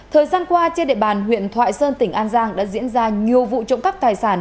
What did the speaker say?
thời gian qua trên địa bàn huyện thoại sơn tỉnh an giang đã diễn ra nhiều vụ trộm cắp tài sản